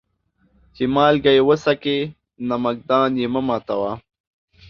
چي مالگه يې وڅکې ، نمک دان يې مه ماتوه.